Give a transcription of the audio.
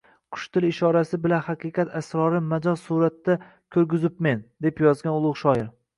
qush tili ishorasi bila haqiqat asrorin majoz suratida ko‘rguzubmen», deb yozgan ulug‘ shoir.